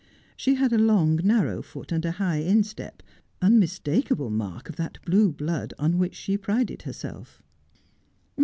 She had a long, narrow foot and high instep — unmistakable mark of that blue blood oi< which she prided herself.